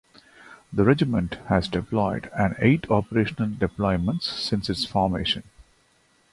The Regiment has deployed on eight operational deployments since its formation.